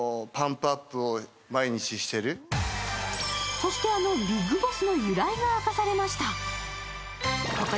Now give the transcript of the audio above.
そして、あのビッグボスの由来が明かされました。